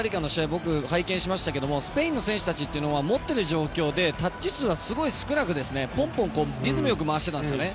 僕、拝見しましたけどスペインの選手たちというのは持っている状況でタッチ数はすごい少なくポンポンリズムよく回していたんですよね。